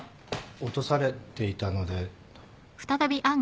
落とされていたので。